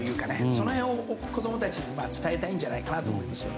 その辺を子供たちに伝えたいんじゃないかなと思います。